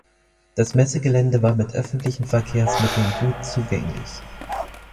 Das Messegelände war mit öffentlichen Verkehrsmitteln gut zugänglich.